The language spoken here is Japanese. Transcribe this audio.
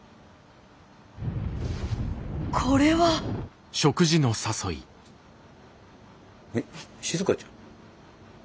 これは。えしずかちゃん？